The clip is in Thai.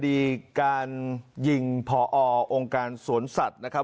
คดีการยิงพอองค์การสวนสัตว์นะครับ